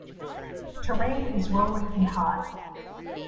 Terrain is rolling and high.